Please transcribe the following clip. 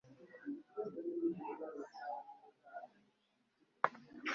wanze kuvugira kuri phone numvise gikomeye